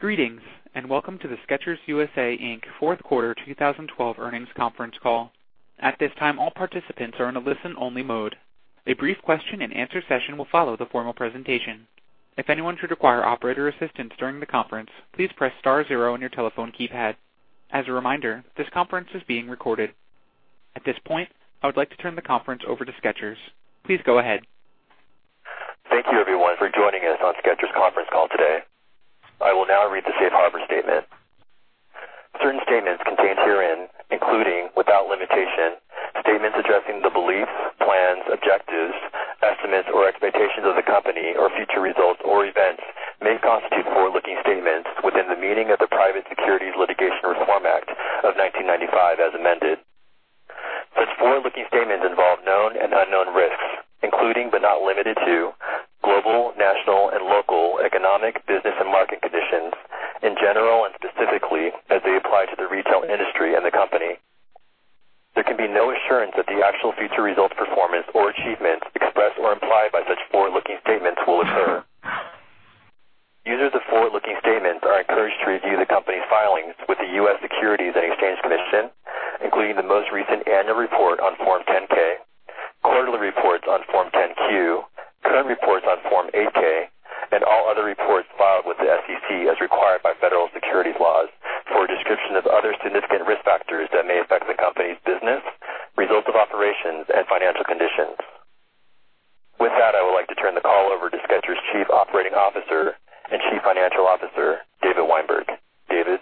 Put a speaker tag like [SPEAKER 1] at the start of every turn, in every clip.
[SPEAKER 1] Greetings, and welcome to the Skechers U.S.A., Inc. fourth quarter 2012 earnings conference call. At this time, all participants are in a listen-only mode. A brief question and answer session will follow the formal presentation. If anyone should require operator assistance during the conference, please press star zero on your telephone keypad. As a reminder, this conference is being recorded. At this point, I would like to turn the conference over to Skechers. Please go ahead.
[SPEAKER 2] Thank you everyone for joining us on Skechers conference call today. I will now read the safe harbor statement. Certain statements contained herein, including, without limitation, statements addressing the beliefs, plans, objectives, estimates, or expectations of the company or future results or events may constitute forward-looking statements within the meaning of the Private Securities Litigation Reform Act of 1995 as amended. Such forward-looking statements involve known and unknown risks, including but not limited to global, national, and local economic, business, and market conditions in general and specifically as they apply to the retail industry and the company. There can be no assurance that the actual future results, performance, or achievements expressed or implied by such forward-looking statements will occur. Users of forward-looking statements are encouraged to review the company's filings with the U.S. Securities and Exchange Commission, including the most recent annual report on Form 10-K, quarterly reports on Form 10-Q, current reports on Form 8-K, and all other reports filed with the SEC as required by federal securities laws for a description of other significant risk factors that may affect the company's business, results of operations, and financial conditions. With that, I would like to turn the call over to Skechers Chief Operating Officer and Chief Financial Officer, David Weinberg. David?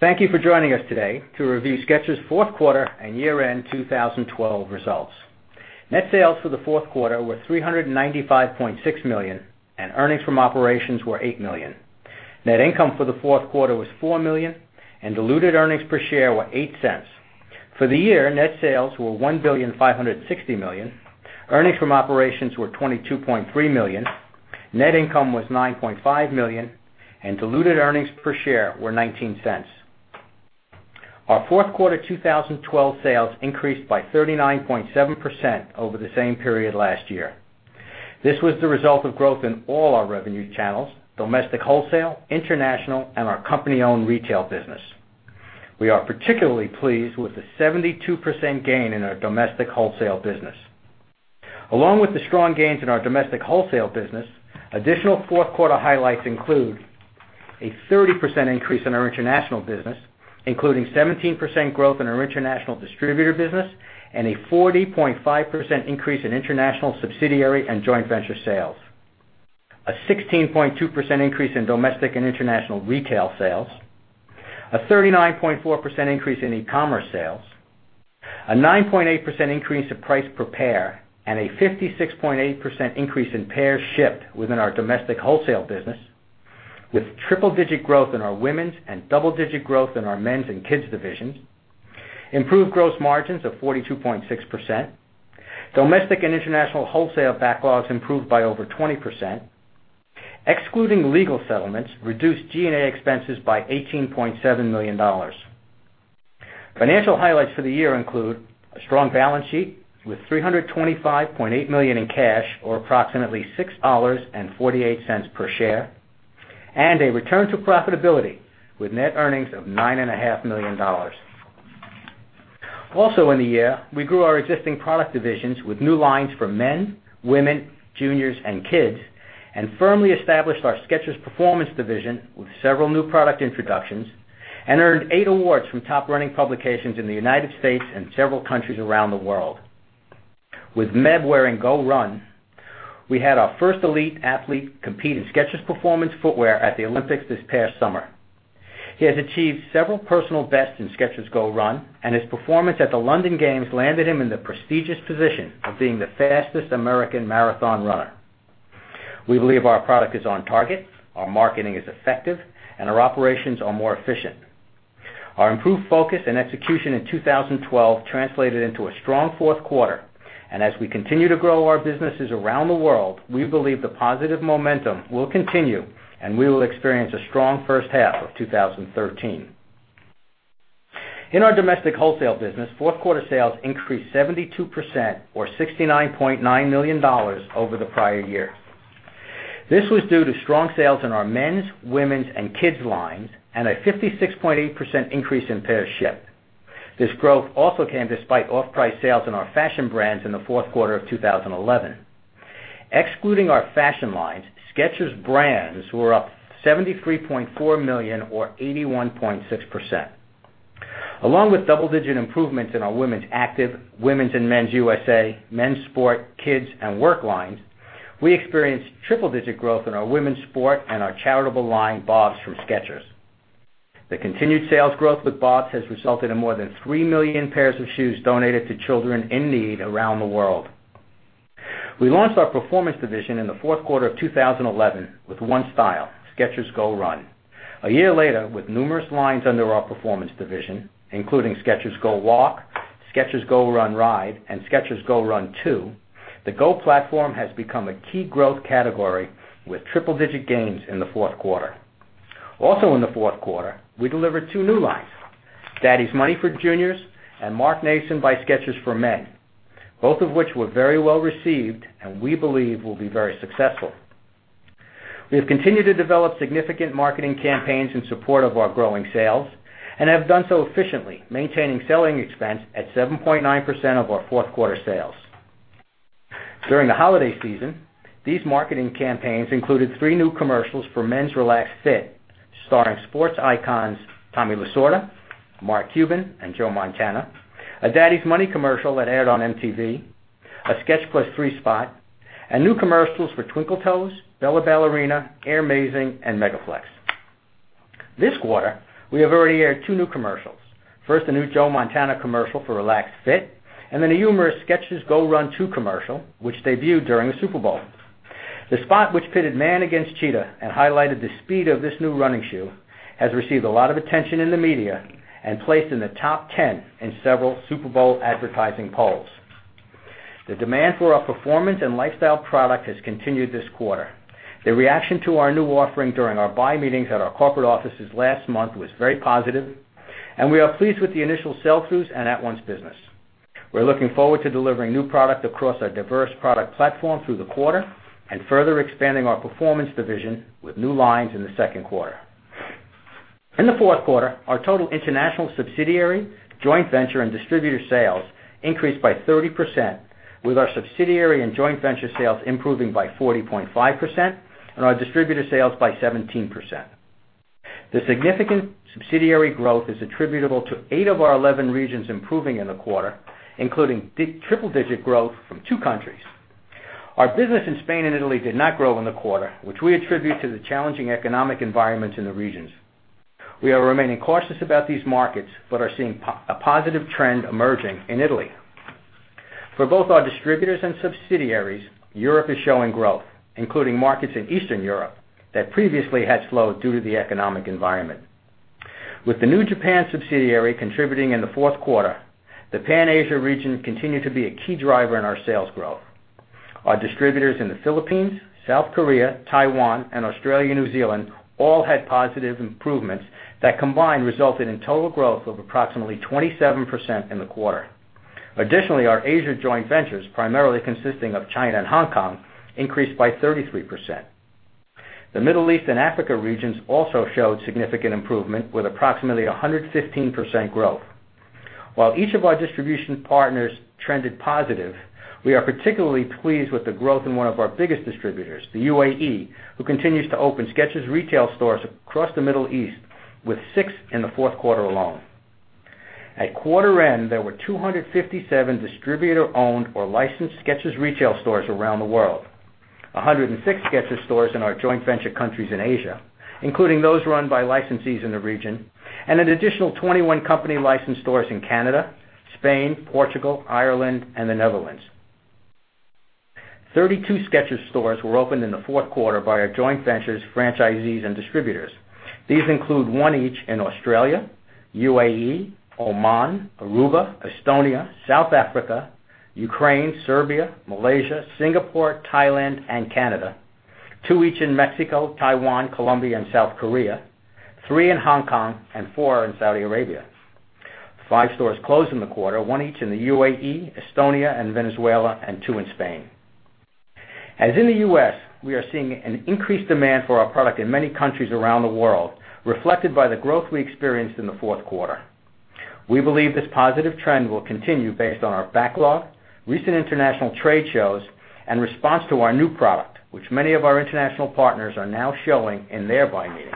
[SPEAKER 3] Thank you for joining us today to review Skechers' fourth quarter and year-end 2012 results. Net sales for the fourth quarter were $395.6 million, and earnings from operations were $8 million. Net income for the fourth quarter was $4 million, and diluted earnings per share were $0.08. For the year, net sales were $1,560 million, earnings from operations were $22.3 million, net income was $9.5 million, and diluted earnings per share were $0.19. Our fourth quarter 2012 sales increased by 39.7% over the same period last year. This was the result of growth in all our revenue channels, domestic wholesale, international, and our company-owned retail business. We are particularly pleased with the 72% gain in our domestic wholesale business. Along with the strong gains in our domestic wholesale business, additional fourth quarter highlights include a 30% increase in our international business, including 17% growth in our international distributor business and a 40.5% increase in international subsidiary and joint venture sales. A 16.2% increase in domestic and international retail sales. A 39.4% increase in e-commerce sales. A 9.8% increase in price per pair, and a 56.8% increase in pairs shipped within our domestic wholesale business with triple-digit growth in our women's and double-digit growth in our men's and kids' divisions. Improved gross margins of 42.6%. Domestic and international wholesale backlogs improved by over 20%. Excluding legal settlements, reduced G&A expenses by $18.7 million. Financial highlights for the year include a strong balance sheet with $325.8 million in cash, or approximately $6.48 per share, and a return to profitability with net earnings of nine and a half million dollars. In the year, we grew our existing product divisions with new lines for men, women, juniors, and kids, and firmly established our Skechers Performance division with several new product introductions and earned eight awards from top running publications in the U.S. and several countries around the world. With Meb wearing GOrun, we had our first elite athlete compete in Skechers Performance footwear at the Olympics this past summer. He has achieved several personal bests in Skechers GOrun, and his performance at the London Games landed him in the prestigious position of being the fastest American marathon runner. We believe our product is on target, our marketing is effective, and our operations are more efficient. Our improved focus and execution in 2012 translated into a strong fourth quarter. As we continue to grow our businesses around the world, we believe the positive momentum will continue, and we will experience a strong first half of 2013. In our domestic wholesale business, fourth quarter sales increased 72% or $69.9 million over the prior year. This was due to strong sales in our men's, women's, and kids' lines, and a 56.8% increase in pairs shipped. This growth also came despite off-price sales in our fashion brands in the fourth quarter of 2011. Excluding our fashion lines, Skechers brands were up $73.4 million or 81.6%. Along with double-digit improvements in our women's active, women's and men's U.S.A., men's sport, kids', and work lines, we experienced triple-digit growth in our women's sport and our charitable line, BOBS from Skechers. The continued sales growth with BOBS has resulted in more than 3 million pairs of shoes donated to children in need around the world. We launched our Performance division in the fourth quarter of 2011 with one style, Skechers GOrun. A year later, with numerous lines under our Performance division, including Skechers GOwalk, Skechers GOrun Ride, and Skechers GOrun 2, the GO platform has become a key growth category with triple-digit gains in the fourth quarter. In the fourth quarter, we delivered two new lines, Daddy's Money for juniors and Mark Nason by Skechers for men, both of which were very well-received and we believe will be very successful. We have continued to develop significant marketing campaigns in support of our growing sales and have done so efficiently, maintaining selling expense at 7.9% of our fourth-quarter sales. During the holiday season, these marketing campaigns included three new commercials for men's Relaxed Fit starring sports icons Tommy Lasorda, Mark Cuban, and Joe Montana, a Daddy's Money commercial that aired on MTV, a SKCH+3 spot, and new commercials for Twinkle Toes, Bella Ballerina, Air-Mazing, and Mega-Flex. This quarter, we have already aired two new commercials. First, a new Joe Montana commercial for Relaxed Fit, and then a humorous Skechers GOrun 2 commercial, which debuted during the Super Bowl. The spot, which pitted man against cheetah and highlighted the speed of this new running shoe, has received a lot of attention in the media and placed in the top 10 in several Super Bowl advertising polls. The demand for our performance and lifestyle product has continued this quarter. The reaction to our new offering during our buy meetings at our corporate offices last month was very positive, and we are pleased with the initial sell-throughs and at-once business. We're looking forward to delivering new product across our diverse product platform through the quarter and further expanding our performance division with new lines in the second quarter. In the fourth quarter, our total international subsidiary, joint venture, and distributor sales increased by 30%, with our subsidiary and joint venture sales improving by 40.5% and our distributor sales by 17%. The significant subsidiary growth is attributable to eight of our 11 regions improving in the quarter, including triple-digit growth from two countries. Our business in Spain and Italy did not grow in the quarter, which we attribute to the challenging economic environments in the regions. We are remaining cautious about these markets, but are seeing a positive trend emerging in Italy. For both our distributors and subsidiaries, Europe is showing growth, including markets in Eastern Europe that previously had slowed due to the economic environment. With the new Japan subsidiary contributing in the fourth quarter, the PAN Asia region continued to be a key driver in our sales growth. Our distributors in the Philippines, South Korea, Taiwan, and Australia/New Zealand all had positive improvements that combined resulted in total growth of approximately 27% in the quarter. Additionally, our Asia joint ventures, primarily consisting of China and Hong Kong, increased by 33%. The Middle East and Africa regions also showed significant improvement with approximately 115% growth. While each of our distribution partners trended positive, we are particularly pleased with the growth in one of our biggest distributors, the UAE, who continues to open Skechers retail stores across the Middle East, with six in the fourth quarter alone. At quarter end, there were 257 distributor-owned or licensed Skechers retail stores around the world, 106 Skechers stores in our joint venture countries in Asia, including those run by licensees in the region, and an additional 21 company license stores in Canada, Spain, Portugal, Ireland, and the Netherlands. Thirty-two Skechers stores were opened in the fourth quarter by our joint ventures, franchisees, and distributors. These include one each in Australia, UAE, Oman, Aruba, Estonia, South Africa, Ukraine, Serbia, Malaysia, Singapore, Thailand, and Canada. Two each in Mexico, Taiwan, Colombia, and South Korea. Three in Hong Kong and four in Saudi Arabia. Five stores closed in the quarter, one each in the UAE, Estonia, and Venezuela, and two in Spain. As in the U.S., we are seeing an increased demand for our product in many countries around the world, reflected by the growth we experienced in the fourth quarter. We believe this positive trend will continue based on our backlog, recent international trade shows, and response to our new product, which many of our international partners are now showing in their buy meetings.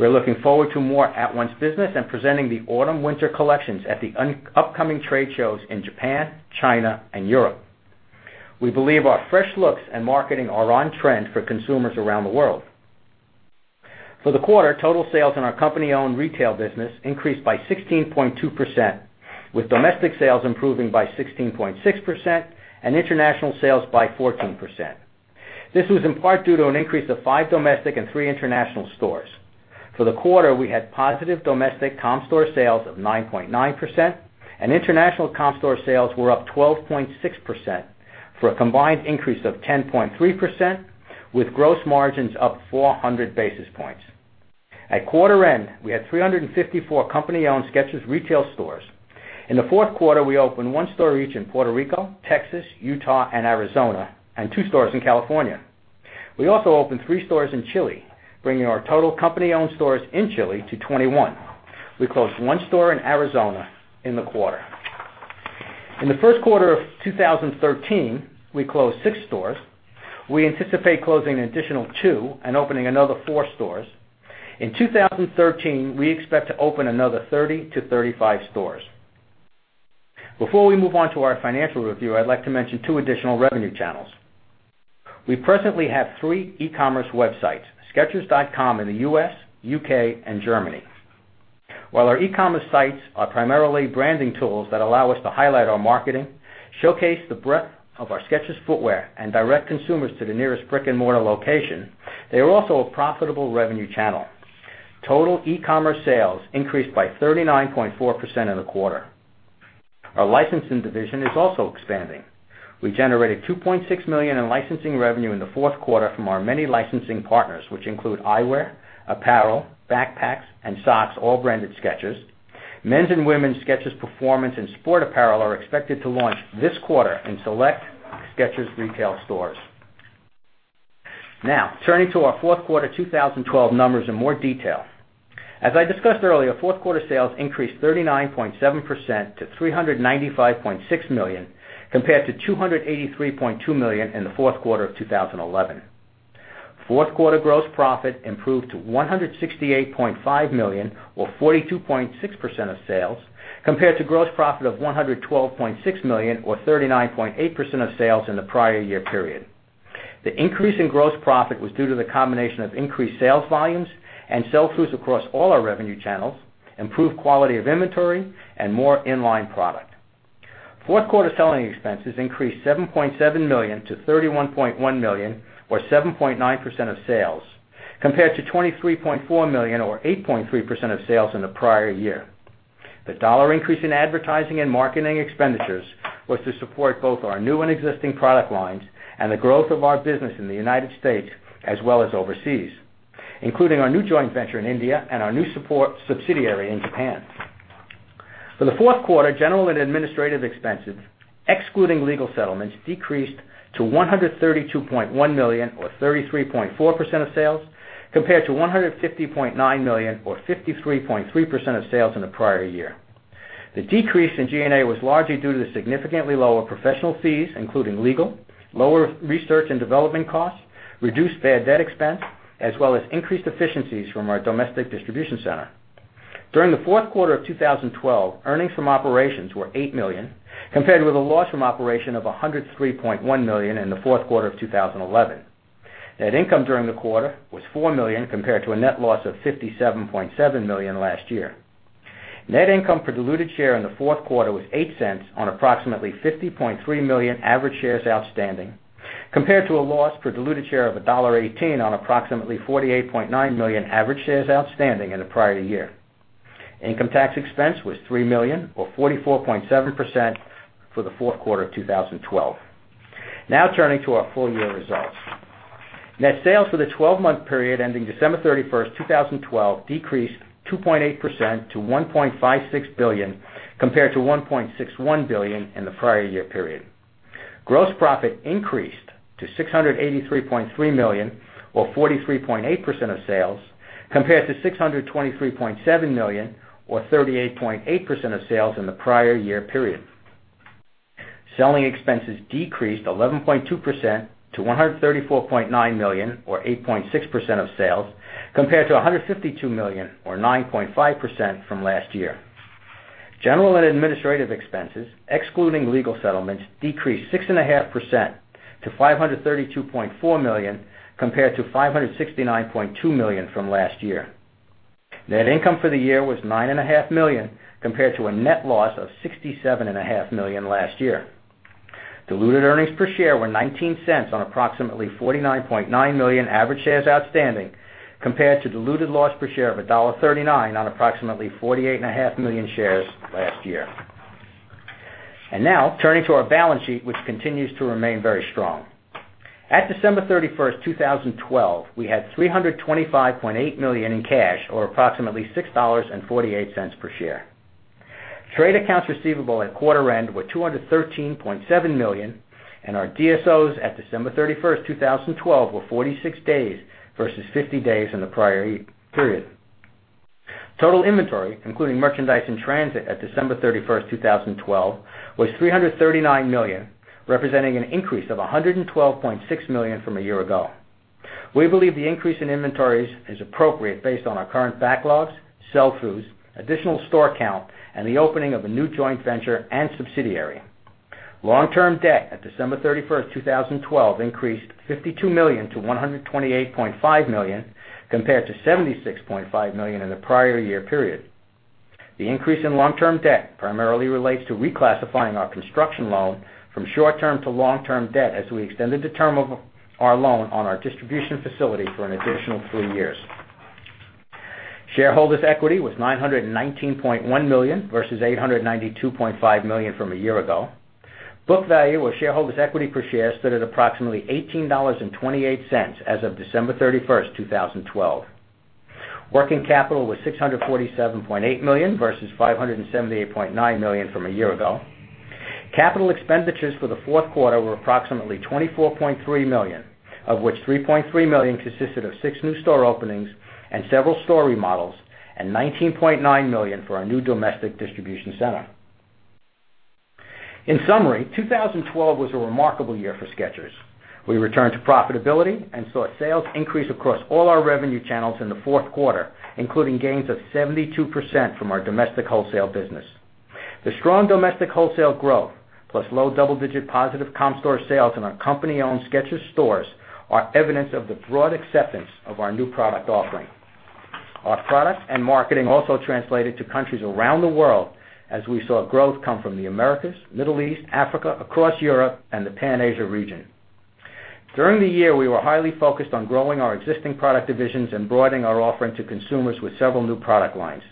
[SPEAKER 3] We're looking forward to more at-once business and presenting the autumn/winter collections at the upcoming trade shows in Japan, China, and Europe. We believe our fresh looks and marketing are on trend for consumers around the world. For the quarter, total sales in our company-owned retail business increased by 16.2%, with domestic sales improving by 16.6% and international sales by 14%. This was in part due to an increase of five domestic and three international stores. For the quarter, we had positive domestic comp store sales of 9.9%, and international comp store sales were up 12.6%, for a combined increase of 10.3%, with gross margins up 400 basis points. At quarter end, we had 354 company-owned Skechers retail stores. In the fourth quarter, we opened one store each in Puerto Rico, Texas, Utah, and Arizona, and two stores in California. We also opened three stores in Chile, bringing our total company-owned stores in Chile to 21. We closed one store in Arizona in the quarter. In the first quarter of 2013, we closed six stores. We anticipate closing an additional two and opening another four stores. In 2013, we expect to open another 30 to 35 stores. Before we move on to our financial review, I'd like to mention two additional revenue channels. We presently have three e-commerce websites, skechers.com in the U.S., U.K., and Germany. While our e-commerce sites are primarily branding tools that allow us to highlight our marketing, showcase the breadth of our Skechers footwear, and direct consumers to the nearest brick-and-mortar location, they are also a profitable revenue channel. Total e-commerce sales increased by 39.4% in the quarter. Our licensing division is also expanding. We generated $2.6 million in licensing revenue in the fourth quarter from our many licensing partners, which include eyewear, apparel, backpacks, and socks, all branded Skechers. Men's and women's Skechers Performance and sport apparel are expected to launch this quarter in select Skechers retail stores. Now, turning to our fourth quarter 2012 numbers in more detail. As I discussed earlier, fourth quarter sales increased 39.7% to $395.6 million, compared to $283.2 million in the fourth quarter of 2011. Fourth quarter gross profit improved to $168.5 million or 42.6% of sales, compared to gross profit of $112.6 million or 39.8% of sales in the prior year period. The increase in gross profit was due to the combination of increased sales volumes and sell-throughs across all our revenue channels, improved quality of inventory, and more in-line product. Fourth quarter selling expenses increased $7.7 million to $31.1 million or 7.9% of sales, compared to $23.4 million or 8.3% of sales in the prior year. The dollar increase in advertising and marketing expenditures was to support both our new and existing product lines and the growth of our business in the United States, as well as overseas, including our new joint venture in India and our new subsidiary in Japan. For the fourth quarter, General and administrative expenses, excluding legal settlements, decreased to $132.1 million or 33.4% of sales, compared to $150.9 million or 53.3% of sales in the prior year. The decrease in G&A was largely due to the significantly lower professional fees, including legal, lower research and development costs, reduced bad debt expense, as well as increased efficiencies from our domestic distribution center. During the fourth quarter of 2012, earnings from operations were $8 million, compared with a loss from operation of $103.1 million in the fourth quarter of 2011. Net income during the quarter was $4 million, compared to a net loss of $57.7 million last year. Net income per diluted share in the fourth quarter was $0.08 on approximately 50.3 million average shares outstanding, compared to a loss per diluted share of $1.18 on approximately 48.9 million average shares outstanding in the prior year. Income tax expense was $3 million or 44.7% for the fourth quarter of 2012. Turning to our full-year results. Net sales for the 12-month period ending December 31st, 2012, decreased 2.8% to $1.56 billion, compared to $1.61 billion in the prior year period. Gross profit increased to $683.3 million or 43.8% of sales, compared to $623.7 million or 38.8% of sales in the prior year period. Selling expenses decreased 11.2% to $134.9 million or 8.6% of sales, compared to $152 million or 9.5% from last year. General and administrative expenses, excluding legal settlements, decreased 6.5% to $532.4 million, compared to $569.2 million from last year. Net income for the year was nine and a half million, compared to a net loss of 67 and a half million last year. Diluted earnings per share were $0.19 on approximately 49.9 million average shares outstanding, compared to diluted loss per share of $1.39 on approximately 48 and a half million shares last year. Turning to our balance sheet, which continues to remain very strong. At December 31st, 2012, we had $325.8 million in cash or approximately $6.48 per share. Trade accounts receivable at quarter end were $213.7 million, and our DSOs at December 31st, 2012, were 46 days versus 50 days in the prior year period. Total inventory, including merchandise in transit at December 31st, 2012, was $339 million, representing an increase of $112.6 million from a year ago. We believe the increase in inventories is appropriate based on our current backlogs, sell-throughs, additional store count, and the opening of a new joint venture and subsidiary. Long-term debt at December 31st, 2012, increased $52 million to $128.5 million, compared to $76.5 million in the prior year period. The increase in long-term debt primarily relates to reclassifying our construction loan from short-term to long-term debt as we extended the term of our loan on our distribution facility for an additional three years. Shareholders' equity was $919.1 million versus $892.5 million from a year ago. Book value or shareholders' equity per share stood at approximately $18.28 as of December 31st, 2012. Working capital was $647.8 million versus $578.9 million from a year ago. Capital expenditures for the fourth quarter were approximately $24.3 million, of which $3.3 million consisted of six new store openings and several store remodels and $19.9 million for our new domestic distribution center. In summary, 2012 was a remarkable year for Skechers. We returned to profitability and saw sales increase across all our revenue channels in the fourth quarter, including gains of 72% from our domestic wholesale business. The strong domestic wholesale growth, plus low double-digit positive comp store sales in our company-owned Skechers stores are evidence of the broad acceptance of our new product offering. Our product and marketing also translated to countries around the world as we saw growth come from the Americas, Middle East, Africa, across Europe, and the Pan Asia region. During the year, we were highly focused on growing our existing product divisions and broadening our offering to consumers with several new product lines.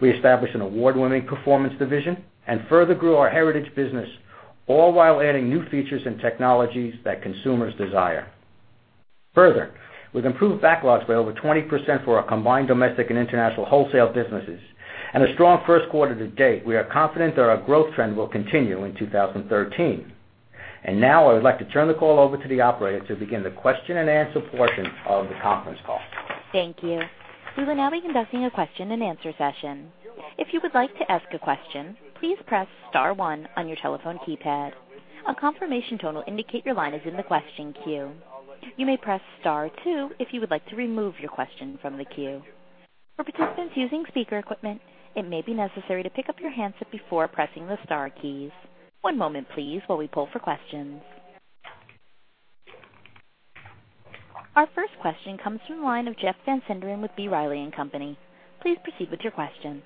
[SPEAKER 3] We established an award-winning Performance division and further grew our heritage business, all while adding new features and technologies that consumers desire. Further, with improved backlogs by over 20% for our combined domestic and international wholesale businesses and a strong first quarter to date, we are confident that our growth trend will continue in 2013. Now I would like to turn the call over to the operator to begin the question and answer portion of the conference call.
[SPEAKER 1] Thank you. We will now be conducting a question and answer session. If you would like to ask a question, please press star one on your telephone keypad. A confirmation tone will indicate your line is in the question queue. You may press star two if you would like to remove your question from the queue. For participants using speaker equipment, it may be necessary to pick up your handset before pressing the star keys. One moment please while we pull for questions. Our first question comes from the line of Jeff Van Sinderen with B. Riley & Co.. Please proceed with your question.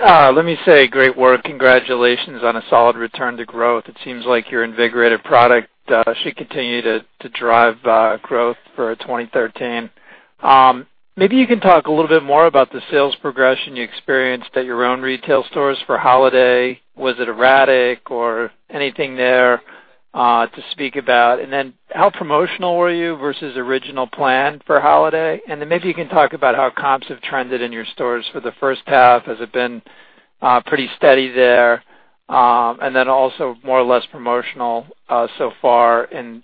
[SPEAKER 4] Let me say great work. Congratulations on a solid return to growth. It seems like your invigorated product should continue to drive growth for 2013. Maybe you can talk a little bit more about the sales progression you experienced at your own retail stores for holiday. Was it erratic or anything there to speak about? Then how promotional were you versus original plan for holiday? Then maybe you can talk about how comps have trended in your stores for the first half. Has it been pretty steady there? Then also more or less promotional so far in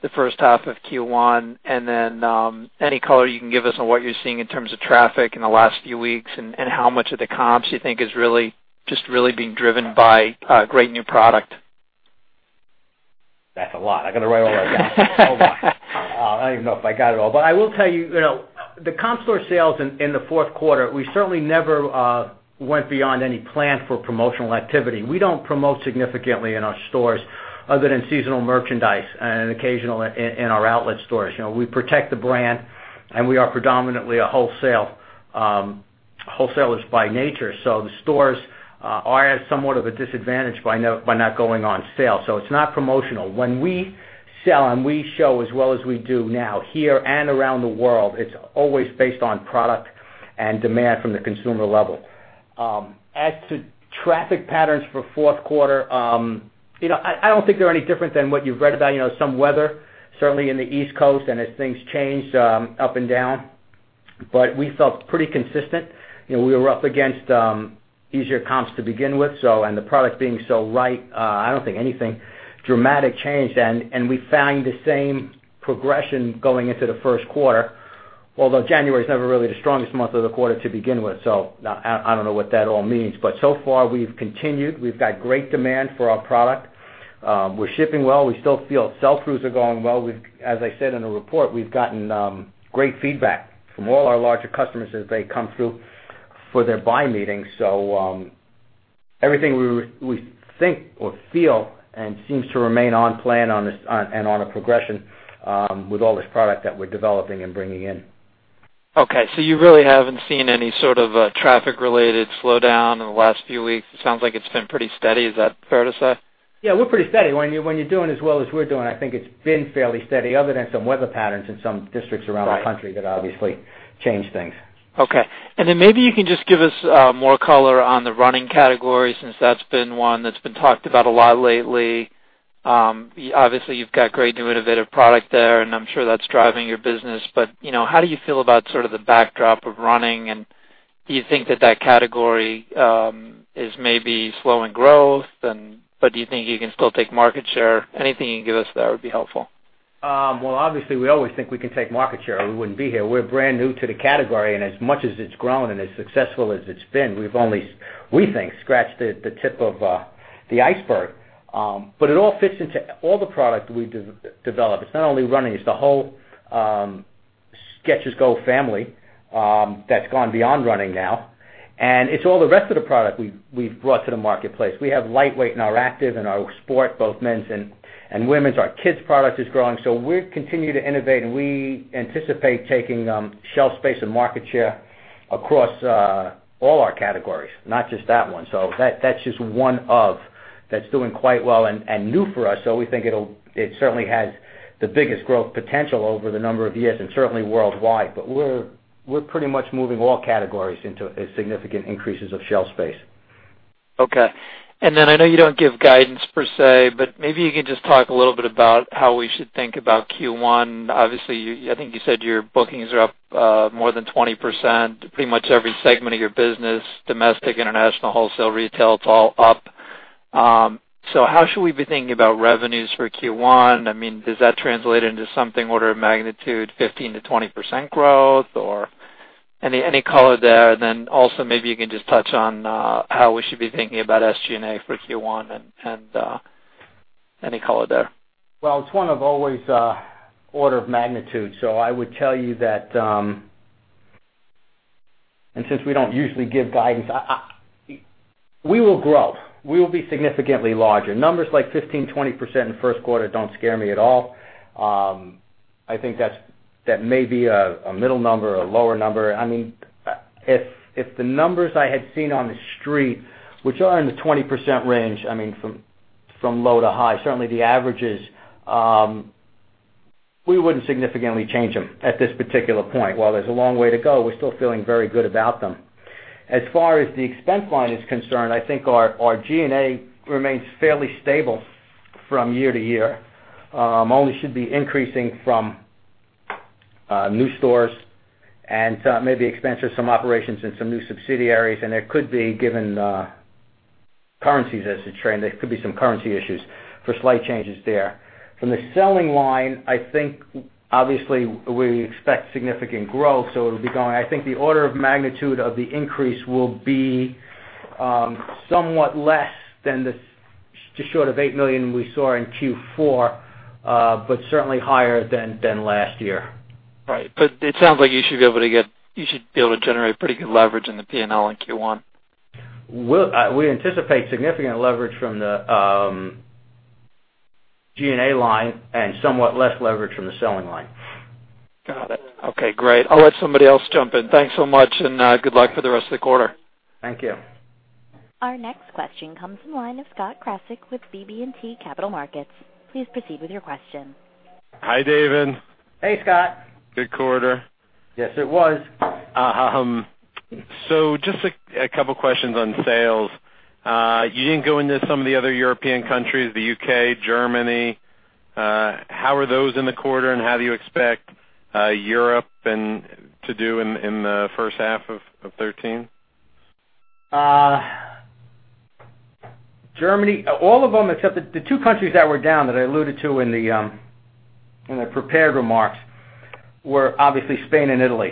[SPEAKER 4] the first half of Q1, and any color you can give us on what you're seeing in terms of traffic in the last few weeks, and how much of the comps you think is really just being driven by great new product.
[SPEAKER 3] That's a lot. I got to write all that down. Oh, my. I don't even know if I got it all. I will tell you, the comp store sales in the fourth quarter, we certainly never went beyond any plan for promotional activity. We don't promote significantly in our stores other than seasonal merchandise and occasionally in our outlet stores. We protect the brand, and we are predominantly a wholesaler by nature, so the stores are at somewhat of a disadvantage by not going on sale. It's not promotional. When we sell and we show as well as we do now, here and around the world, it's always based on product and demand from the consumer level. As to traffic patterns for fourth quarter, I don't think they're any different than what you've read about. Some weather, certainly in the East Coast and as things change up and down. We felt pretty consistent. We were up against easier comps to begin with, and the product being so right, I don't think anything dramatically changed. We found the same progression going into the first quarter, although January is never really the strongest month of the quarter to begin with. I don't know what that all means. So far, we've continued. We've got great demand for our product. We're shipping well. We still feel sell-throughs are going well. As I said in the report, we've gotten great feedback from all our larger customers as they come through for their buy meetings. Everything we think or feel and seems to remain on plan and on a progression with all this product that we're developing and bringing in.
[SPEAKER 4] You really haven't seen any sort of traffic-related slowdown in the last few weeks. It sounds like it's been pretty steady. Is that fair to say?
[SPEAKER 3] We're pretty steady. When you're doing as well as we're doing, I think it's been fairly steady, other than some weather patterns in some districts around the country that obviously change things.
[SPEAKER 4] Okay. Then maybe you can just give us more color on the running category, since that's been one that's been talked about a lot lately. Obviously, you've got great new innovative product there, and I'm sure that's driving your business. How do you feel about sort of the backdrop of running, and do you think that that category is maybe slowing growth? Do you think you can still take market share? Anything you can give us there would be helpful.
[SPEAKER 3] Well, obviously, we always think we can take market share, or we wouldn't be here. We're brand new to the category, and as much as it's grown and as successful as it's been, we've only, we think, scratched the tip of the iceberg. It all fits into all the product we develop. It's not only running, it's the whole Skechers GO family that's gone beyond running now, and it's all the rest of the product we've brought to the marketplace. We have lightweight in our active and our sport, both men's and women's. Our kids product is growing. We continue to innovate, and we anticipate taking shelf space and market share across all our categories, not just that one. That's just one of that's doing quite well and new for us, so we think it certainly has the biggest growth potential over the number of years and certainly worldwide. We're pretty much moving all categories into significant increases of shelf space.
[SPEAKER 4] Okay. Then I know you don't give guidance per se, but maybe you can just talk a little bit about how we should think about Q1. Obviously, I think you said your bookings are up more than 20%, pretty much every segment of your business, domestic, international, wholesale, retail, it's all up. How should we be thinking about revenues for Q1? Does that translate into something order of magnitude 15%-20% growth or any color there? Also maybe you can just touch on how we should be thinking about SG&A for Q1 and any color there.
[SPEAKER 3] Well, it's one of always order of magnitude. I would tell you that since we don't usually give guidance. We will grow. We will be significantly larger. Numbers like 15%-20% in the first quarter don't scare me at all. I think that may be a middle number or a lower number. I mean, if the numbers I had seen on the street, which are in the 20% range, from low to high, certainly the averages, we wouldn't significantly change them at this particular point. While there's a long way to go, we're still feeling very good about them. As far as the expense line is concerned, I think our G&A remains fairly stable from year-to-year. Only should be increasing from new stores and maybe expense of some operations in some new subsidiaries, and there could be, given currencies as a trend, there could be some currency issues for slight changes there. From the selling line, I think, obviously, we expect significant growth, so it'll be going. I think the order of magnitude of the increase will be somewhat less than the short of $8 million we saw in Q4, but certainly higher than last year.
[SPEAKER 4] Right. It sounds like you should be able to generate pretty good leverage in the P&L in Q1.
[SPEAKER 3] We anticipate significant leverage from the G&A line and somewhat less leverage from the selling line.
[SPEAKER 4] Got it. Okay, great. I'll let somebody else jump in. Thanks so much, and good luck for the rest of the quarter.
[SPEAKER 3] Thank you.
[SPEAKER 1] Our next question comes from the line of Scott Krasik with BB&T Capital Markets. Please proceed with your question.
[SPEAKER 5] Hi, David.
[SPEAKER 3] Hey, Scott.
[SPEAKER 5] Good quarter.
[SPEAKER 3] Yes, it was.
[SPEAKER 5] Just a couple questions on sales. You didn't go into some of the other European countries, the U.K., Germany. How are those in the quarter, and how do you expect Europe to do in the first half of 2013?
[SPEAKER 3] All of them except the two countries that were down that I alluded to in the prepared remarks were obviously Spain and Italy.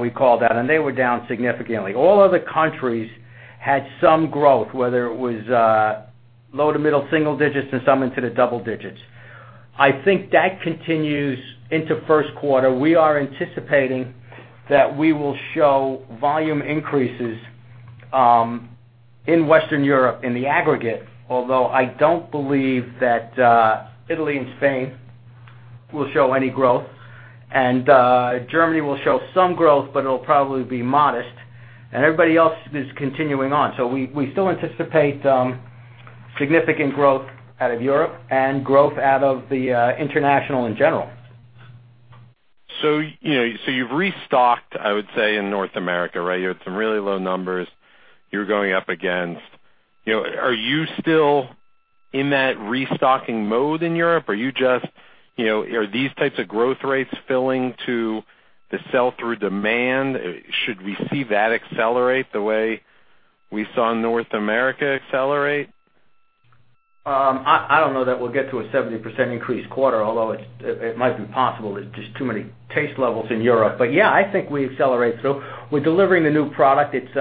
[SPEAKER 3] We called out, and they were down significantly. All other countries had some growth, whether it was low to middle single digits and some into the double digits. I think that continues into first quarter. We are anticipating that we will show volume increases in Western Europe in the aggregate. I don't believe that Italy and Spain will show any growth. Germany will show some growth, but it'll probably be modest. Everybody else is continuing on. We still anticipate significant growth out of Europe and growth out of the international in general.
[SPEAKER 5] You've restocked, I would say, in North America, right? You had some really low numbers you were going up against. Are you still in that restocking mode in Europe? Are these types of growth rates filling to the sell-through demand? Should we see that accelerate the way we saw North America accelerate?
[SPEAKER 3] I don't know that we'll get to a 70% increase quarter, although it might be possible. There's just too many taste levels in Europe. Yeah, I think we accelerate through. We're delivering the new product. It's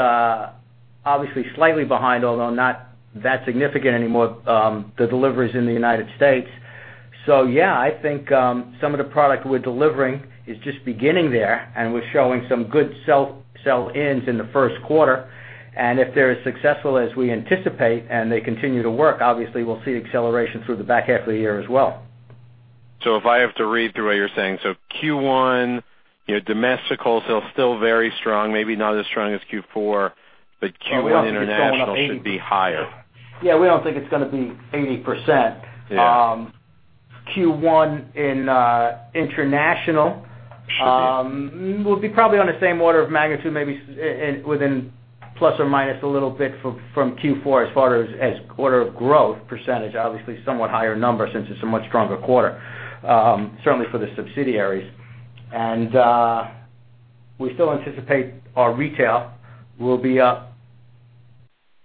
[SPEAKER 3] obviously slightly behind, although not that significant anymore, the deliveries in the United States. Yeah, I think some of the product we're delivering is just beginning there, and we're showing some good sell-ins in the first quarter. If they're as successful as we anticipate and they continue to work, obviously, we'll see acceleration through the back half of the year as well.
[SPEAKER 5] If I have to read through what you're saying, so Q1, domestic wholesale is still very strong, maybe not as strong as Q4, but Q1 international should be higher.
[SPEAKER 3] Yeah, we don't think it's going to be 80%.
[SPEAKER 5] Yeah.
[SPEAKER 3] Q1 in international will be probably on the same order of magnitude, maybe within plus or minus a little bit from Q4 as far as quarter of growth %. Obviously, somewhat higher number since it's a much stronger quarter, certainly for the subsidiaries. We still anticipate our retail will be up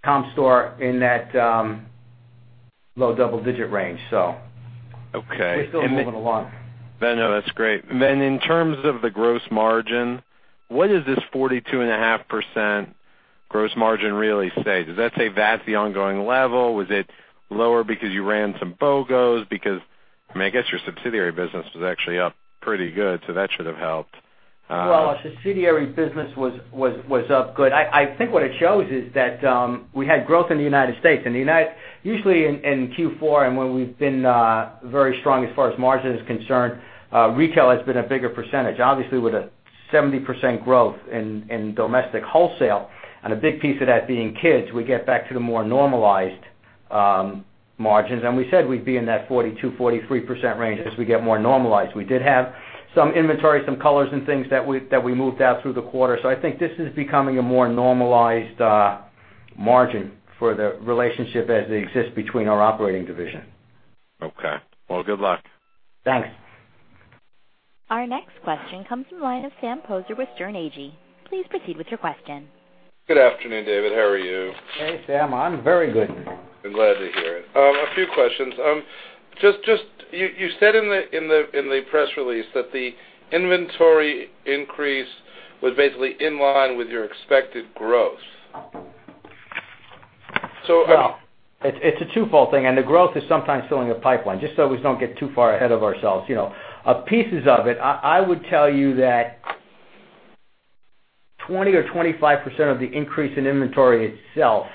[SPEAKER 3] comp store in that low double-digit range.
[SPEAKER 5] Okay
[SPEAKER 3] we're still moving along.
[SPEAKER 5] No, that's great. Then in terms of the gross margin, what does this 42.5% gross margin really say? Does that say that's the ongoing level? Was it lower because you ran some BOGOs? I guess your subsidiary business was actually up pretty good, so that should have helped.
[SPEAKER 3] Well, our subsidiary business was up good. I think what it shows is that we had growth in the U.S. Usually in Q4 and when we've been very strong as far as margin is concerned, retail has been a bigger percentage. Obviously, with a 70% growth in domestic wholesale, and a big piece of that being kids, we get back to the more normalized margins. We said we'd be in that 42%-43% range as we get more normalized. We did have some inventory, some colors, and things that we moved out through the quarter. I think this is becoming a more normalized margin for the relationship as they exist between our operating division.
[SPEAKER 5] Okay. Well, good luck.
[SPEAKER 3] Thanks.
[SPEAKER 1] Our next question comes from the line of Sam Poser with Sterne Agee. Please proceed with your question.
[SPEAKER 6] Good afternoon, David. How are you?
[SPEAKER 3] Hey, Sam. I'm very good.
[SPEAKER 6] I'm glad to hear it. A few questions. You said in the press release that the inventory increase was basically in line with your expected growth.
[SPEAKER 3] It's a twofold thing, and the growth is sometimes filling a pipeline, just so we don't get too far ahead of ourselves. Pieces of it, I would tell you that 20% or 25% of the increase in inventory itself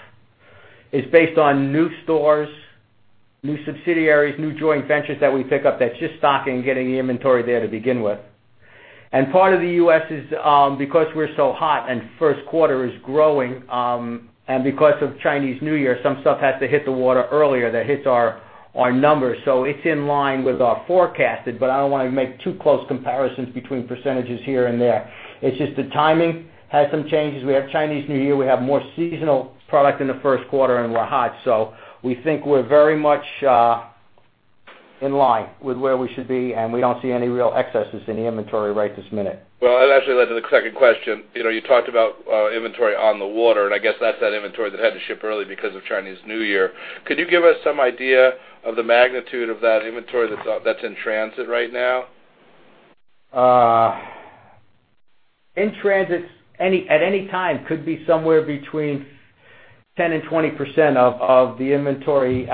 [SPEAKER 3] is based on new stores, new subsidiaries, new joint ventures that we pick up that's just stocking and getting the inventory there to begin with. Part of the U.S. is because we're so hot and first quarter is growing, and because of Chinese New Year, some stuff has to hit the water earlier that hits our numbers. It's in line with our forecasted, I don't want to make too close comparisons between percentages here and there. It's just the timing had some changes. We have Chinese New Year. We have more seasonal product in the first quarter, and we're hot. We think we're very much in line with where we should be, and we don't see any real excesses in the inventory right this minute.
[SPEAKER 6] that actually led to the second question. You talked about inventory on the water, and I guess that's that inventory that had to ship early because of Chinese New Year. Could you give us some idea of the magnitude of that inventory that's in transit right now?
[SPEAKER 3] In transit, at any time, could be somewhere between 10%-20% of the inventory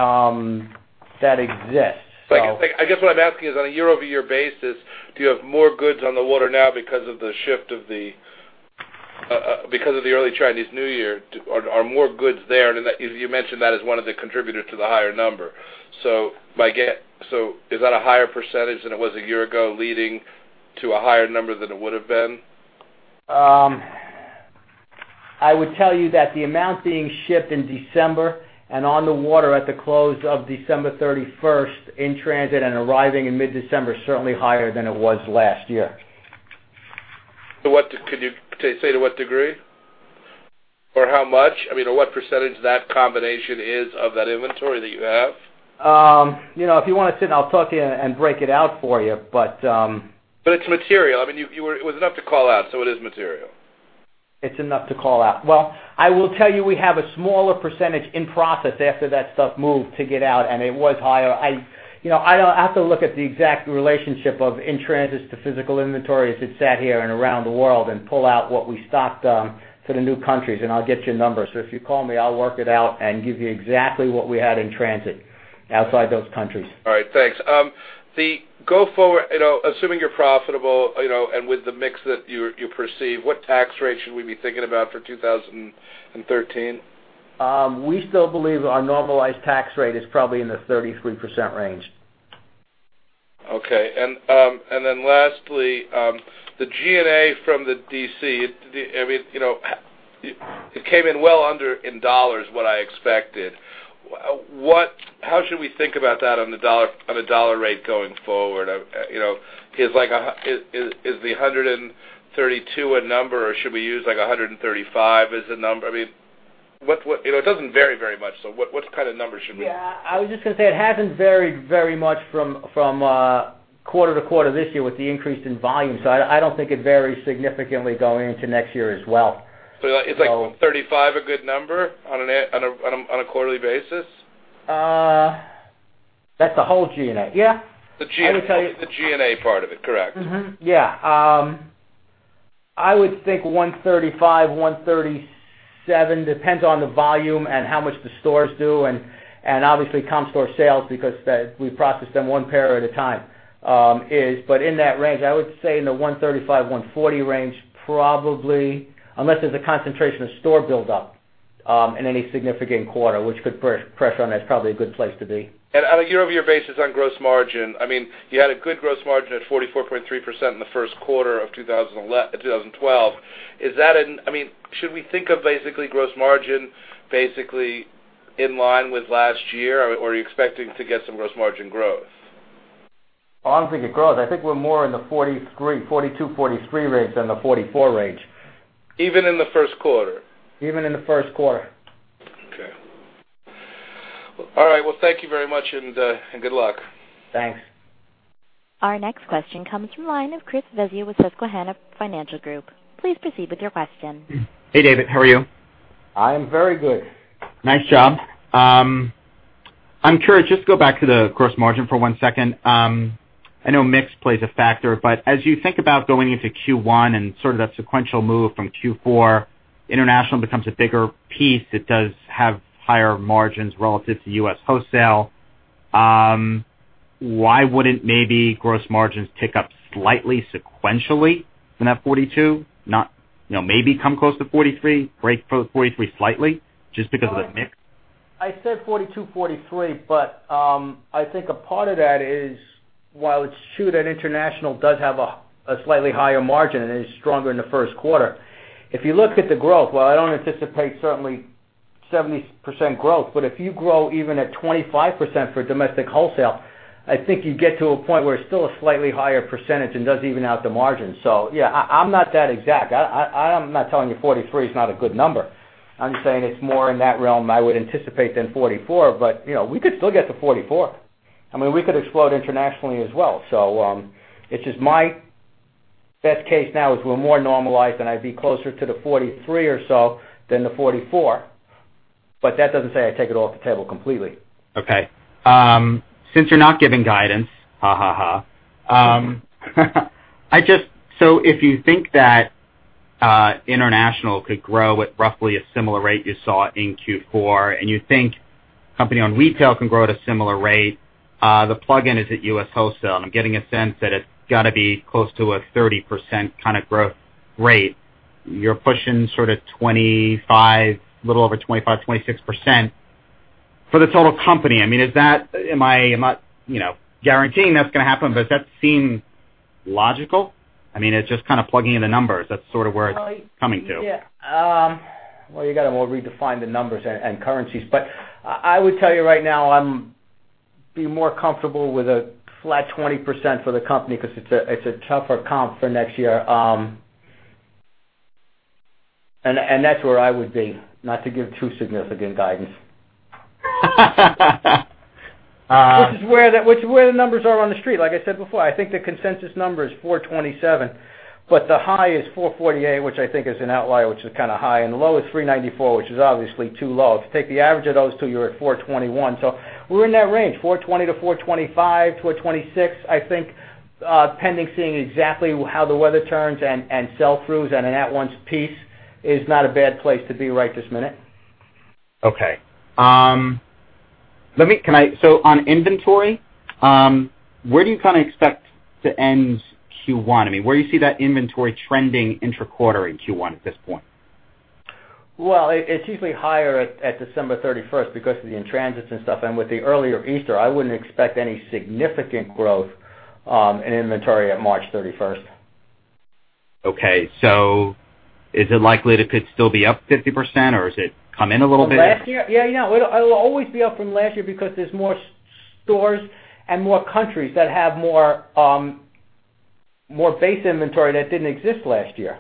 [SPEAKER 3] that exists.
[SPEAKER 6] I guess what I'm asking is, on a year-over-year basis, do you have more goods on the water now because of the early Chinese New Year? Are more goods there? You mentioned that as one of the contributors to the higher number. Is that a higher % than it was a year ago, leading to a higher number than it would have been?
[SPEAKER 3] I would tell you that the amount being shipped in December and on the water at the close of December 31st, in transit and arriving in mid-December, is certainly higher than it was last year.
[SPEAKER 6] Could you say to what degree or how much? I mean, or what percentage that combination is of that inventory that you have?
[SPEAKER 3] If you want to sit and I'll talk to you and break it out for you but-
[SPEAKER 6] It's material. I mean, it was enough to call out, it is material.
[SPEAKER 3] It's enough to call out. Well, I will tell you we have a smaller percentage in process after that stuff moved to get out and it was higher. I have to look at the exact relationship of in-transits to physical inventory as it sat here and around the world and pull out what we stocked for the new countries, and I'll get you a number. If you call me, I'll work it out and give you exactly what we had in transit outside those countries.
[SPEAKER 6] All right, thanks. The go forward, assuming you're profitable, and with the mix that you perceive, what tax rate should we be thinking about for 2013?
[SPEAKER 3] We still believe our normalized tax rate is probably in the 33% range.
[SPEAKER 6] Okay. Lastly, the G&A from the D.C. It came in well under in dollars what I expected. How should we think about that on the dollar rate going forward? Is the 132 a number, or should we use 135 as a number? I mean, it doesn't vary very much, what kind of numbers should we.
[SPEAKER 3] Yeah, I was just going to say it hasn't varied very much from quarter-to-quarter this year with the increase in volume, I don't think it varies significantly going into next year as well.
[SPEAKER 6] Is like $135 a good number on a quarterly basis?
[SPEAKER 3] That's the whole G&A. Yeah.
[SPEAKER 6] The G&A part of it, correct.
[SPEAKER 3] Yeah. I would think $135, $137, depends on the volume and how much the stores do and obviously comp store sales because we process them one pair at a time. In that range, I would say in the $135, $140 range probably, unless there's a concentration of store build-up in any significant quarter, which could put pressure on, that's probably a good place to be.
[SPEAKER 6] On a year-over-year basis on gross margin, I mean, you had a good gross margin at 44.3% in the first quarter of 2012. Should we think of basically gross margin, basically in line with last year, or are you expecting to get some gross margin growth?
[SPEAKER 3] I don't think a growth. I think we're more in the 42, 43 range than the 44 range.
[SPEAKER 6] Even in the first quarter?
[SPEAKER 3] Even in the first quarter.
[SPEAKER 6] Okay. All right. Well, thank you very much and good luck.
[SPEAKER 3] Thanks.
[SPEAKER 1] Our next question comes from the line of Christopher Svezia with Susquehanna Financial Group. Please proceed with your question.
[SPEAKER 7] Hey, David. How are you?
[SPEAKER 3] I am very good.
[SPEAKER 7] Nice job. I'm curious, just to go back to the gross margin for one second. I know mix plays a factor. As you think about going into Q1 and sort of that sequential move from Q4, international becomes a bigger piece. It does have higher margins relative to U.S. wholesale. Why wouldn't maybe gross margins tick up slightly sequentially from that 42? Maybe come close to 43, break for 43 slightly just because of the mix?
[SPEAKER 3] I said 42, 43. I think a part of that is while it's true that international does have a slightly higher margin and is stronger in the first quarter. If you look at the growth, while I don't anticipate certainly 70% growth, if you grow even at 25% for domestic wholesale, I think you get to a point where it's still a slightly higher percentage and does even out the margin. Yeah, I'm not that exact. I'm not telling you 43 is not a good number. I'm saying it's more in that realm I would anticipate than 44. We could still get to 44. I mean, we could explode internationally as well. It's just my best case now is we're more normalized than I'd be closer to the 43 or so than the 44. That doesn't say I take it off the table completely.
[SPEAKER 7] Okay. Since you're not giving guidance, ha ha ha. If you think that international could grow at roughly a similar rate you saw in Q4, and you think Company on retail can grow at a similar rate. The plug-in is at U.S. wholesale. I'm getting a sense that it's got to be close to a 30% kind of growth rate. You're pushing sort of 25, a little over 25, 26% for the total company. I'm not guaranteeing that's going to happen. Does that seem logical? I mean, it's just kind of plugging in the numbers. That's sort of where it's coming to.
[SPEAKER 3] Yeah. Well, you got to redefine the numbers and currencies. I would tell you right now, I'm being more comfortable with a flat 20% for the company because it's a tougher comp for next year. That's where I would be, not to give too significant guidance. Which is where the numbers are on the street. Like I said before, I think the consensus number is $427. The high is $448, which I think is an outlier, which is kind of high. The low is $394, which is obviously too low. If you take the average of those two, you're at $421. We're in that range, $420 to $425, $426, I think, pending seeing exactly how the weather turns and sell-throughs and at once piece is not a bad place to be right this minute.
[SPEAKER 7] On inventory, where do you expect to end Q1? I mean, where do you see that inventory trending intra-quarter in Q1 at this point?
[SPEAKER 3] Well, it's usually higher at December 31st because of the in-transits and stuff. With the earlier Easter, I wouldn't expect any significant growth in inventory at March 31st.
[SPEAKER 7] Okay. Is it likely that could still be up 50%, or is it come in a little bit?
[SPEAKER 3] From last year? Yeah. It'll always be up from last year because there's more stores and more countries that have more base inventory that didn't exist last year.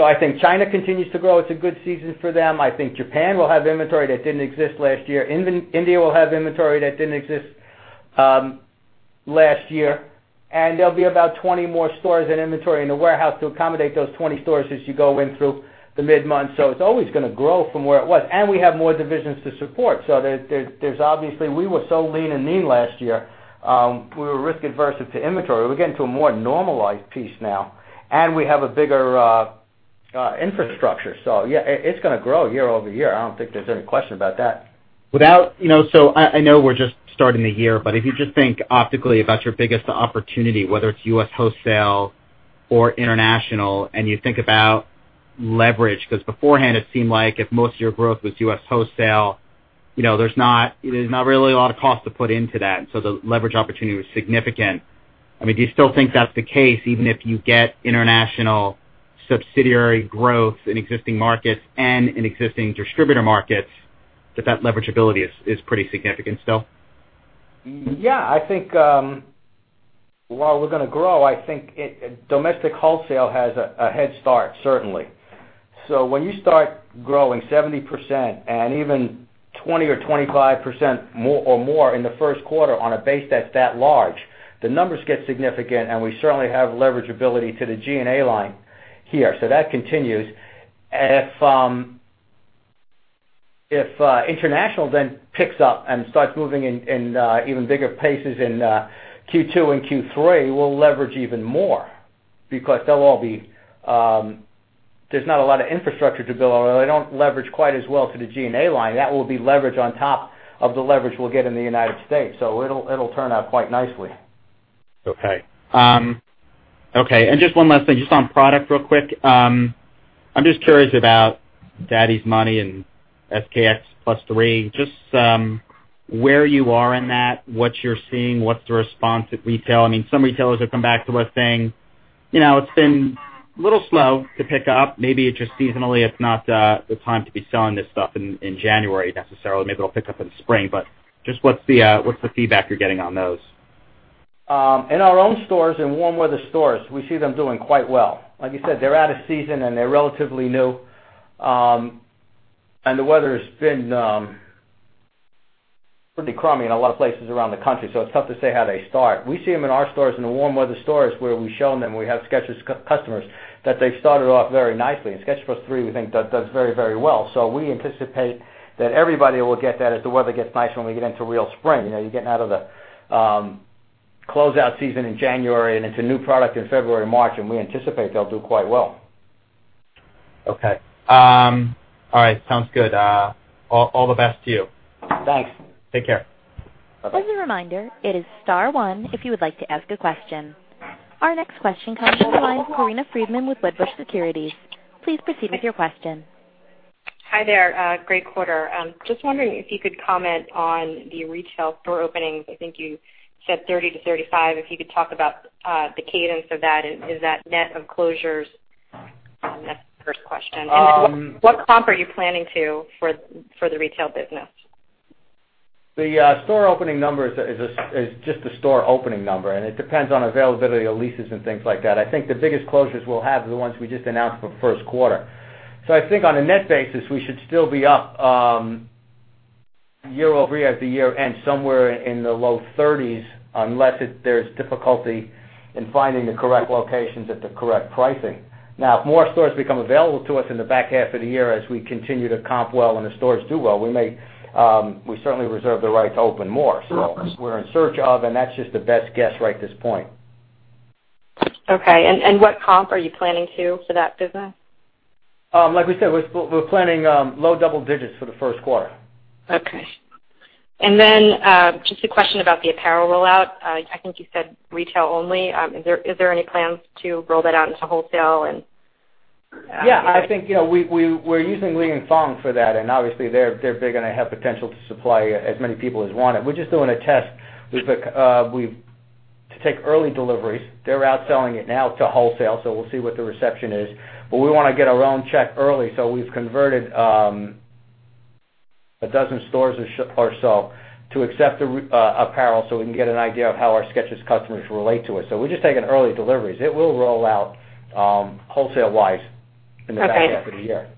[SPEAKER 3] I think China continues to grow. It's a good season for them. I think Japan will have inventory that didn't exist last year. India will have inventory that didn't exist last year. There'll be about 20 more stores and inventory in the warehouse to accommodate those 20 stores as you go in through the mid-month. It's always going to grow from where it was. We have more divisions to support. There's obviously, we were so lean and mean last year. We were risk-averse into inventory. We're getting to a more normalized piece now, and we have a bigger infrastructure. Yeah, it's going to grow year-over-year. I don't think there's any question about that.
[SPEAKER 7] I know we're just starting the year, but if you just think optically about your biggest opportunity, whether it's U.S. wholesale or international, and you think about leverage, because beforehand it seemed like if most of your growth was U.S. wholesale, there's not really a lot of cost to put into that. The leverage opportunity was significant. Do you still think that's the case, even if you get international subsidiary growth in existing markets and in existing distributor markets, that leverage ability is pretty significant still?
[SPEAKER 3] Yeah, while we're going to grow, I think domestic wholesale has a head start, certainly. When you start growing 70% and even 20% or 25% or more in the first quarter on a base that's that large, the numbers get significant, and we certainly have leverage ability to the G&A line here. That continues. If international then picks up and starts moving in even bigger paces in Q2 and Q3, we'll leverage even more because there's not a lot of infrastructure to build or they don't leverage quite as well to the G&A line. That will be leverage on top of the leverage we'll get in the United States. It'll turn out quite nicely.
[SPEAKER 7] Okay. Just one last thing, just on product real quick. I'm just curious about Daddy's Money and SKCH+3, just where you are in that, what you're seeing, what's the response at retail. Some retailers have come back to us saying, "It's been a little slow to pick up." Maybe it's just seasonally it's not the time to be selling this stuff in January necessarily. Maybe it'll pick up in spring, but just what's the feedback you're getting on those?
[SPEAKER 3] In our own stores, in warm weather stores, we see them doing quite well. Like you said, they're out of season and they're relatively new. The weather's been pretty crummy in a lot of places around the country, so it's tough to say how they start. We see them in our stores, in the warm weather stores where we've shown them, we have Skechers customers, that they've started off very nicely. SKCH+3, we think does very well. We anticipate that everybody will get that as the weather gets nice when we get into real spring. You're getting out of the closeout season in January, it's a new product in February, March, we anticipate they'll do quite well.
[SPEAKER 7] Okay. All right. Sounds good. All the best to you.
[SPEAKER 3] Thanks.
[SPEAKER 7] Take care. Bye-bye.
[SPEAKER 1] As a reminder, it is star one if you would like to ask a question. Our next question comes on the line, Corinna Freedman with Wedbush Securities. Please proceed with your question.
[SPEAKER 8] Hi there. Great quarter. Just wondering if you could comment on the retail store openings. I think you said 30-35. If you could talk about the cadence of that and is that net of closures? That's the first question. What comp are you planning to for the retail business?
[SPEAKER 3] The store opening number is just a store opening number. It depends on availability of leases and things like that. I think the biggest closures we'll have are the ones we just announced for first quarter. I think on a net basis, we should still be up year-over-year at the year-end somewhere in the low 30s, unless there's difficulty in finding the correct locations at the correct pricing. If more stores become available to us in the back half of the year as we continue to comp well and the stores do well, we certainly reserve the right to open more stores. We're in search of, and that's just the best guess right at this point.
[SPEAKER 8] Okay. What comp are you planning to, for that business?
[SPEAKER 3] Like we said, we're planning low double digits for the first quarter.
[SPEAKER 8] Okay. Then, just a question about the apparel rollout. I think you said retail only. Is there any plans to roll that out into wholesale?
[SPEAKER 3] Yeah, I think, we're using Li & Fung for that, and obviously they're big and have potential to supply as many people as want it. We're just doing a test to take early deliveries. They're out selling it now to wholesale. We'll see what the reception is. We want to get our own check early. We've converted a dozen stores or so to accept apparel so we can get an idea of how our Skechers customers relate to it. We're just taking early deliveries. It will roll out, wholesale-wise, in the back half of the year.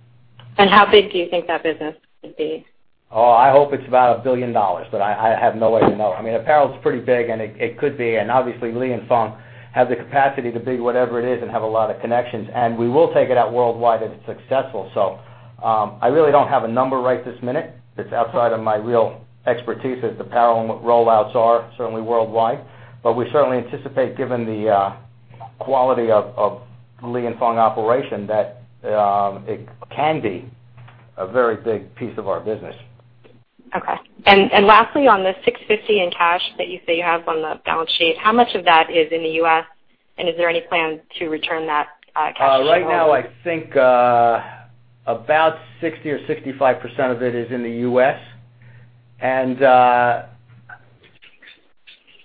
[SPEAKER 8] Okay. How big do you think that business could be?
[SPEAKER 3] Oh, I hope it's about $1 billion. I have no way to know. Apparel's pretty big and it could be. Obviously, Li & Fung has the capacity to be whatever it is and have a lot of connections. We will take it out worldwide if it's successful. I really don't have a number right this minute. It's outside of my real expertise as to what apparel rollouts are, certainly worldwide. We certainly anticipate, given the quality of Li & Fung operation, that it can be a very big piece of our business.
[SPEAKER 8] Okay. Lastly, on the $650 in cash that you say you have on the balance sheet, how much of that is in the U.S.? Is there any plan to return that cash to shareholders?
[SPEAKER 3] Right now, I think, about 60% or 65% of it is in the U.S.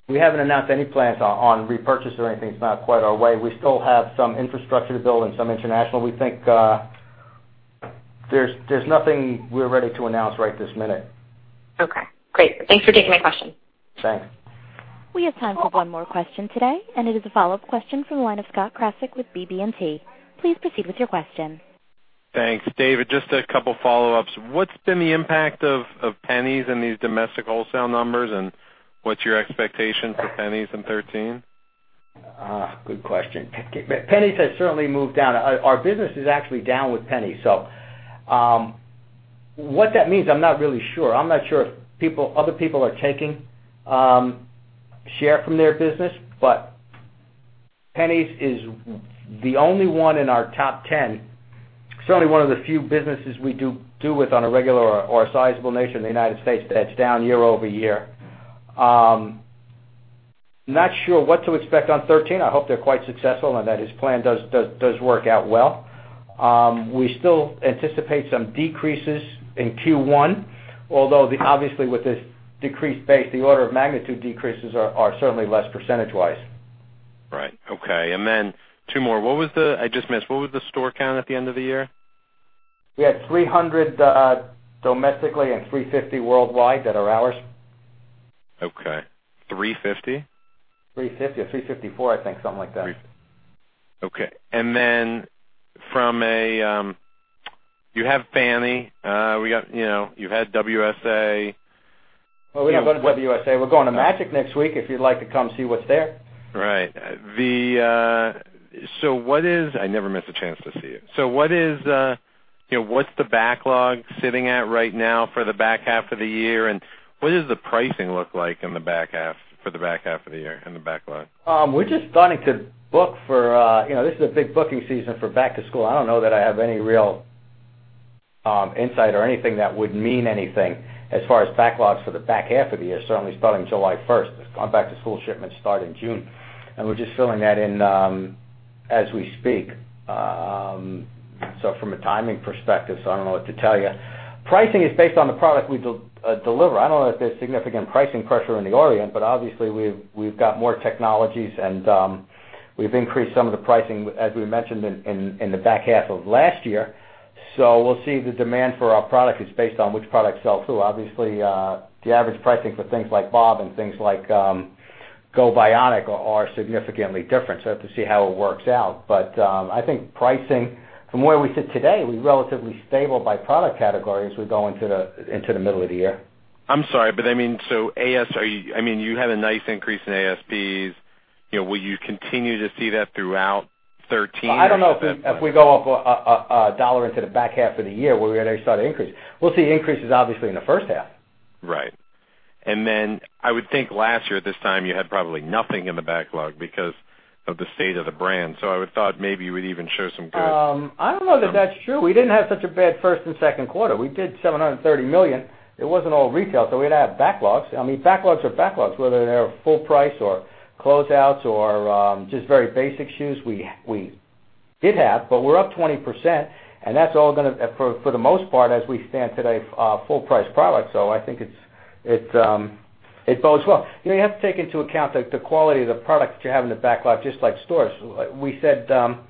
[SPEAKER 3] We haven't announced any plans on repurchase or anything. It's not quite our way. We still have some infrastructure to build and some international. We think there's nothing we're ready to announce right this minute.
[SPEAKER 8] Okay, great. Thanks for taking my question.
[SPEAKER 3] Thanks.
[SPEAKER 1] We have time for one more question today, and it is a follow-up question from the line of Scott Krasik with BB&T. Please proceed with your question.
[SPEAKER 5] Thanks. David, just a couple follow-ups. What's been the impact of JCPenney in these domestic wholesale numbers, and what's your expectation for jcpenney in 2013?
[SPEAKER 3] Good question. jcpenney has certainly moved down. Our business is actually down with jcpenney. What that means, I'm not really sure. I'm not sure if other people are taking share from their business, but jcpenney is the only one in our top 10, certainly one of the few businesses we do with on a regular or sizable nature in the U.S. that's down year-over-year. I'm not sure what to expect on 2013. I hope they're quite successful and that his plan does work out well. We still anticipate some decreases in Q1, although obviously with this decreased base, the order of magnitude decreases are certainly less percentage-wise.
[SPEAKER 5] Right. Okay, then two more. I just missed, what was the store count at the end of the year?
[SPEAKER 3] We had 300 domestically and 350 worldwide that are ours.
[SPEAKER 5] Okay. 350?
[SPEAKER 3] 350 or 354, I think, something like that.
[SPEAKER 5] Okay. You have FFANY, you've had WSA.
[SPEAKER 3] Well, we don't go to WSA. We're going to MAGIC next week, if you'd like to come see what's there.
[SPEAKER 5] Right. I never miss a chance to see you. What's the backlog sitting at right now for the back half of the year, and what does the pricing look like for the back half of the year in the backlog?
[SPEAKER 3] We're just starting to book for this is a big booking season for back to school. I don't know that I have any real insight or anything that would mean anything as far as backlogs for the back half of the year, certainly starting July 1st. Back to school shipments start in June, and we're just filling that in as we speak. From a timing perspective, I don't know what to tell you. Pricing is based on the product we deliver. I don't know if there's significant pricing pressure in the Orient, but obviously we've got more technologies and we've increased some of the pricing, as we mentioned, in the back half of last year. We'll see the demand for our products. It's based on which product sells who. Obviously, the average pricing for things like BOBS and things like GO Bionic are significantly different. We have to see how it works out. I think pricing, from where we sit today, we're relatively stable by product category as we go into the middle of the year.
[SPEAKER 5] I'm sorry, I mean, you had a nice increase in ASPs. Will you continue to see that throughout 2013 at that point?
[SPEAKER 3] I don't know if we go up $1 into the back half of the year, where we had already started to increase. We'll see increases, obviously, in the first half.
[SPEAKER 5] Right. I would think last year at this time, you had probably nothing in the backlog because of the state of the brand. I would thought maybe you would even show some good-
[SPEAKER 3] I don't know that that's true. We didn't have such a bad first and second quarter. We did $730 million. It wasn't all retail. We didn't have backlogs. Backlogs are backlogs, whether they're full price or closeouts or just very basic shoes. We did have. We're up 20%, that's all going to, for the most part as we stand today, full price product. I think it bodes well. You have to take into account the quality of the product that you have in the backlog, just like stores. We said the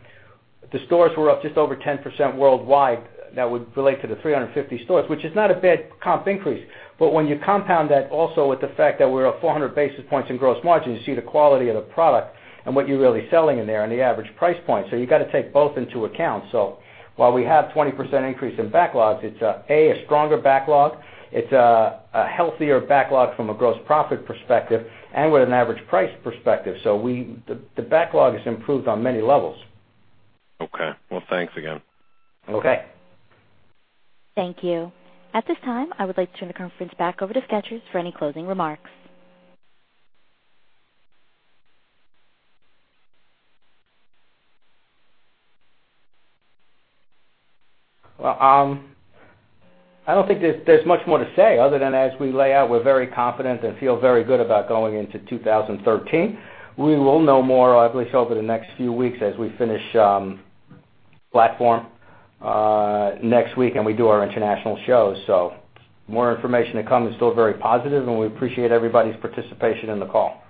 [SPEAKER 3] stores were up just over 10% worldwide. That would relate to the 350 stores, which is not a bad comp increase. When you compound that also with the fact that we're up 400 basis points in gross margin, you see the quality of the product and what you're really selling in there and the average price point. You got to take both into account. While we have 20% increase in backlogs, it's A, a stronger backlog. It's a healthier backlog from a gross profit perspective and with an average price perspective. The backlog has improved on many levels.
[SPEAKER 5] Okay. Well, thanks again.
[SPEAKER 3] Okay.
[SPEAKER 1] Thank you. At this time, I would like to turn the conference back over to Skechers for any closing remarks.
[SPEAKER 3] Well, I don't think there's much more to say other than as we lay out, we're very confident and feel very good about going into 2013. We will know more, I believe, over the next few weeks as we finish platform next week and we do our international shows. More information to come. It's still very positive, and we appreciate everybody's participation in the call.